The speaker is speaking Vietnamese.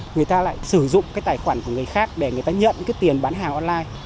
người ta lại sử dụng tài khoản của người khác để người ta nhận tiền bán hàng online